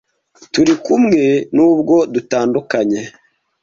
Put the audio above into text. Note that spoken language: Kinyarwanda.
Turi kumwe nubwo dutandukanye. "